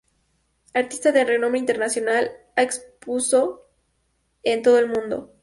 Artista de renombre internacional, ha expuso en todo el mundo.